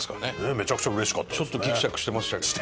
めちゃくちゃ嬉しかったですね。